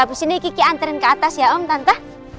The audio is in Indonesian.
abis ini kiki anterin ke atas ya om tante